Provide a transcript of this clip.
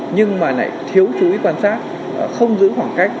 nhưng mà lại thiếu chú ý quan sát không giữ khoảng cách